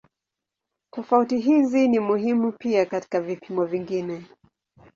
Tofauti hizi ni muhimu pia katika vipimo vingine.